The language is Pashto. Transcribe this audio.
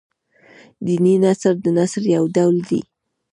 دیني نثر د نثر يو ډول دﺉ.